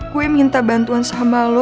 gue minta bantuan sama lo